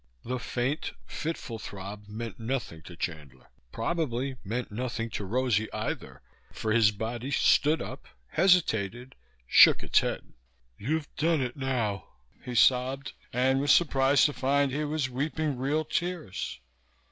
The faint, fitful throb meant nothing to Chandler; probably meant nothing to Rosie either, for his body stood up, hesitated, shook its head. "You've done it now," he sobbed, and was surprised to find he was weeping real tears.